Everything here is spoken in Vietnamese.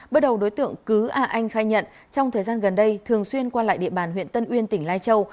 bước đầu đối tượng cứ a anh khai nhận trong thời gian gần đây thường xuyên qua lại địa bàn huyện tân uyên tỉnh lai châu